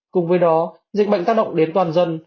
cùng với đó dịch bệnh tác động đến toàn dân